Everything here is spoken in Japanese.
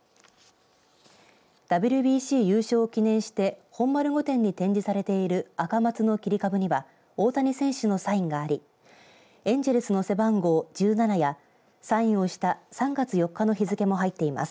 ＷＢＣ優勝を記念して本丸御殿に展示されているアカマツの切り株には大谷選手のサインがありエンジェルスの背番号１７やサインをした３月４日の日付も入っています。